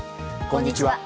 こんにちは。